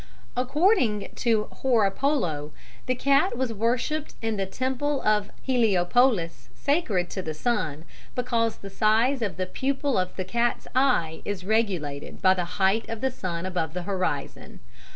According to Horapollo, the cat was worshipped in the Temple of Heliopolis, sacred to the sun, because the size of the pupil of the cat's eye is regulated by the height of the sun above the horizon.